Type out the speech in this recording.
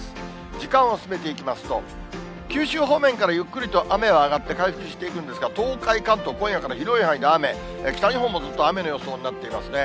時間を進めていきますと、九州方面からゆっくりと雨は上がって回復していくんですが、東海、関東、今夜から広い範囲で雨、北日本もずっと雨の予想になってますね。